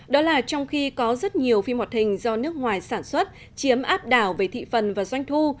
đó là trong khi có rất nhiều phim hoạt hình do nước ngoài sản xuất chiếm áp đảo về thị phần và doanh thu